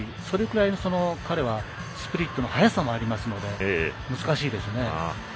それくらい、彼はスプリットの速さもありますので難しいですよね。